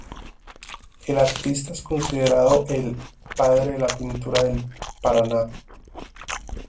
El artista es considerado el "padre de la pintura del Paraná".